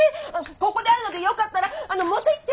ここにあるのでよかったらあの持っていって。